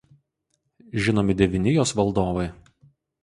Žinomi devyni jos valdovai.